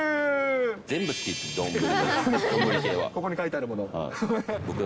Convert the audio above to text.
全部好きです、ここに書いてあるもの？